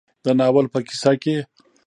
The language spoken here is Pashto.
د ناول په کيسه کې